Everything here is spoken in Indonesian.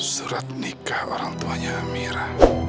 surat nikah orang tuanya mira